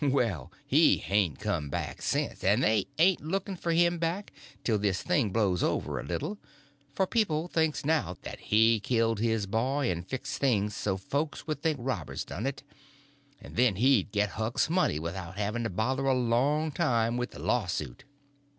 Well, he hain't come back sence, and they ain't looking for him back till this thing blows over a little, for people thinks now that he killed his boy and fixed things so folks would think robbers done it, and then he'd get Huck's money without having to bother a long time with a lawsuit.